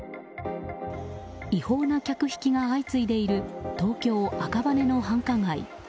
違法な客引きが相次いでいる東京・赤羽の繁華街。